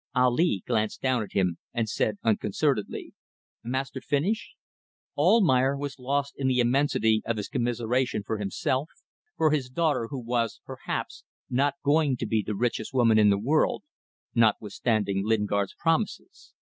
Ali glanced down at him and said, unconcernedly "Master finish?" Almayer was lost in the immensity of his commiseration for himself, for his daughter, who was perhaps not going to be the richest woman in the world notwithstanding Lingard's promises.